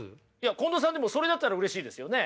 近藤さんでもそれだったらうれしいですよね。